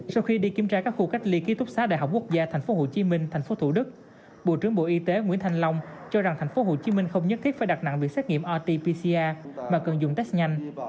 sau khi đi kiểm tra các khu cách ly ký túc xá đại học quốc gia thành phố hồ chí minh thành phố thủ đức bộ trưởng bộ y tế nguyễn thanh long cho rằng thành phố hồ chí minh không nhất thiết phải đặt nặng việc xét nghiệm rt pcr mà cần dùng test nhanh